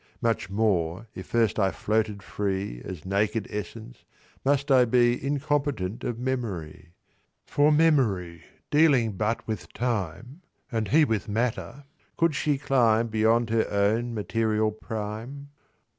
"Much more, if first I floated free, As naked essence, must I be Incompetent of memory: "For memory dealing but with time, And he with matter, could she climb Beyond her own material prime?